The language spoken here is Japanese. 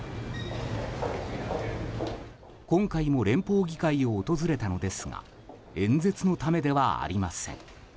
今回も連邦議会を訪れたのですが演説のためではありません。